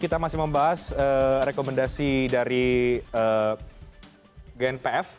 kita masih membahas rekomendasi dari gnpf